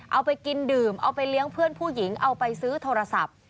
เอาไปกินดื่มเอาไปเลี้ยงเพื่อนผู้หญิงเอาไปซื้อโทรศัพท์